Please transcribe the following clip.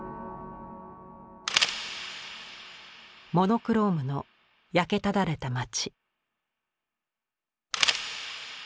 モノクロームの焼けただれた町。